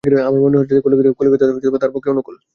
আমার মনে হয় না যে, কলিকাতা তার পক্ষে অনুকূল।